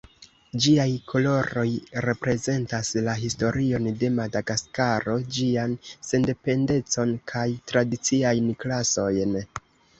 Ĝiaj koloroj reprezentas la historion de Madagaskaro, ĝian sendependecon kaj tradiciajn klasojn.